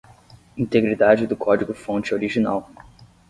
Integridade do código fonte original.